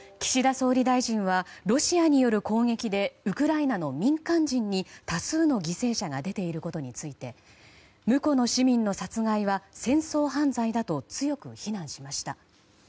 岸田総理大臣はロシアによる攻撃でウクライナの民間人に多数の犠牲者が出ていることについて無この市民の殺害は戦争犯罪だと強く非難しました。